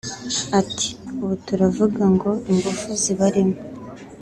Ati“Ubu turavuga ngo ingufu zibarimo